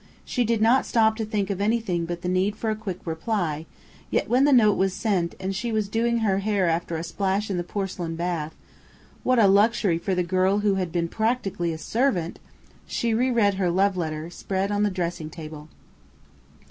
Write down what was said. She did not stop to think of anything but the need for a quick reply; yet when the note was sent, and she was "doing" her hair after a splash in the porcelain bath (what luxury for the girl who had been practically a servant!), she re read her love letter, spread on the dressing table.